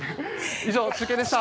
以上、中継でした。